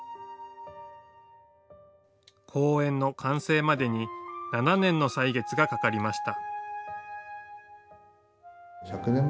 公園の完成までに７年の歳月がかかりました。